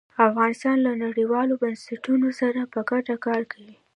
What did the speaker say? افغانستان له نړیوالو بنسټونو سره په ګډه کار کوي.